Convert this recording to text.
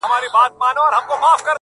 نو که فرصت درته برابر سي